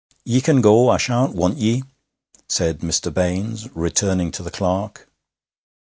'Ye can go; I shan't want ye,' said Mr. Baines, returning to the clerk.